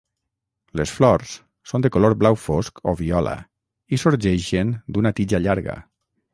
Les flors són de color blau fosc o viola i sorgeixen d'una tija llarga.